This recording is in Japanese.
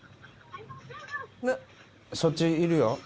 そっちいるよ。